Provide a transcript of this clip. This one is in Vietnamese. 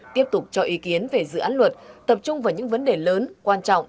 tiếp tục cho ý kiến về dự án luật tập trung vào những vấn đề lớn quan trọng